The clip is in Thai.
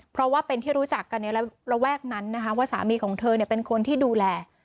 เพราะว่าเป็นที่รู้จักกันในระแวกนั้นนะคะว่าสามีของเธอเป็นคนที่ดูแล